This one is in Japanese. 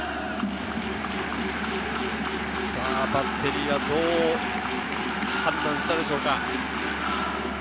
バッテリーは、どう判断したでしょうか。